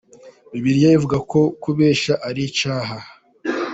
bibiliya ivuga ko kubeshya aricyaha.